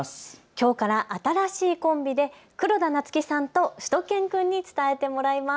きょうから新しいコンビで黒田菜月さんとしゅと犬くんに伝えてもらいます。